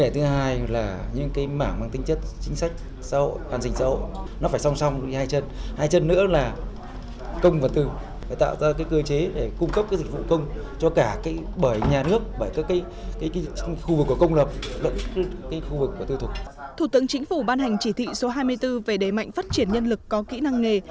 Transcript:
thủ tướng chính phủ ban hành chỉ thị số hai mươi bốn về đề mạnh phát triển nhân lực có kỹ năng nghề